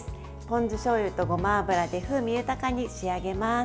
ポン酢しょうゆとごま油で風味豊かに仕上げます。